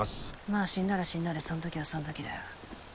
まあ死んだら死んだでそんときはそんときだよ。